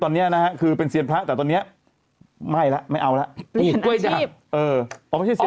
ตอนนี้นะฝองเป็นเซียนพระแต่ตอนที่นี่ไม่เอาแล้ว